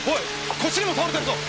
こっちにも倒れてるぞ。